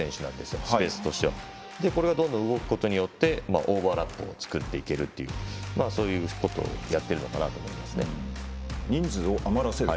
これがどんどん動くことによってオーバーラップを作っていけるというそういうことをやっているのかなと思いますね。